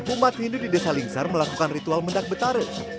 umat hindu di desa lingsar melakukan ritual mendak betarut